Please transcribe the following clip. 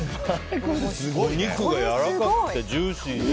お肉がやわらかくてジューシーで。